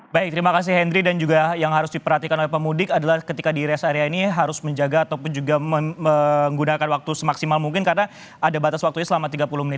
baik terima kasih henry dan juga yang harus diperhatikan oleh pemudik adalah ketika di rest area ini harus menjaga ataupun juga menggunakan waktu semaksimal mungkin karena ada batas waktunya selama tiga puluh menit